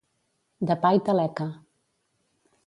De pa i taleca.